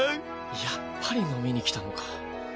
やっぱり飲みに来たのか。